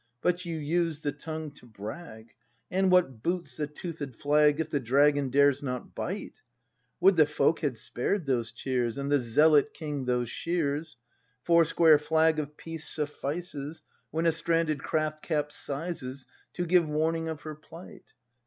But you used the tongue to brag; And what boots the toothed flag If the dragon dares not bite ? Would the folk had spared those cheers. And the zealot king those shears! ^ Four square flag of peace suffices. When a stranded craft capsizes. To give warning of her plight!